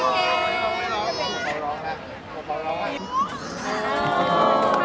ผมชอบ๒๐๐๘เมื่อผมดูลูกของตอนนี้อ่ะ